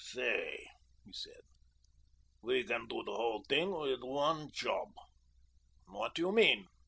"Say," he said, "we can do the whole thing with one job." "What do you mean?"